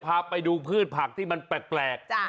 พาไปดูพืชผักที่มันแปลก